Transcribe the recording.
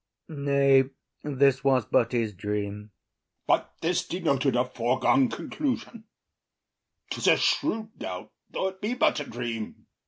IAGO. Nay, this was but his dream. OTHELLO. But this denoted a foregone conclusion. ’Tis a shrewd doubt, though it be but a dream.